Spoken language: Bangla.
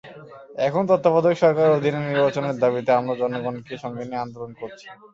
এখন তত্ত্বাবধায়ক সরকারের অধীনে নির্বাচনের দাবিতে আমরা জনগণকে সঙ্গে নিয়ে আন্দোলন করছি।